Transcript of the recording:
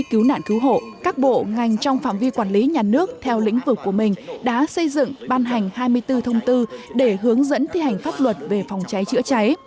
cứu nạn cứu hộ các bộ ngành trong phạm vi quản lý nhà nước theo lĩnh vực của mình đã xây dựng ban hành hai mươi bốn thông tư để hướng dẫn thi hành pháp luật về phòng cháy chữa cháy